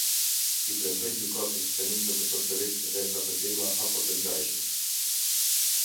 I premtoj gjykatës se nuk do të përsërisë vepra të tilla apo të ngjajshme.